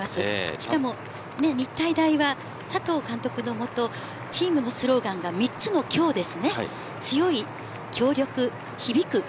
しかも日体大は佐藤監督のもとチームのスローガンが３つのキョウです。